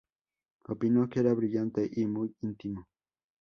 Opinó que era "brillante" y "muy íntimo".